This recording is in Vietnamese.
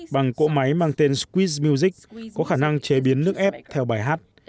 bằng cỗ máy mang tên squit music có khả năng chế biến nước ép theo bài hát